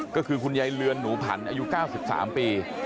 ก็คือคุณยายเรือนหนูผันอายุ๙๓ปี